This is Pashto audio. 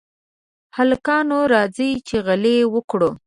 هلکانو! راځئ چې غېلې وکړو.